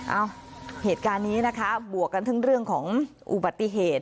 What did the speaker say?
เอ้าเหตุการณ์นี้นะคะบวกกันทั้งเรื่องของอุบัติเหตุ